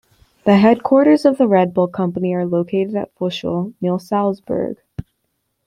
The headquarters of the Red Bull company are located at Fuschl near Salzburg.